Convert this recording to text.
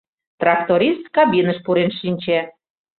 Тракторист кабиныш пурен шинче.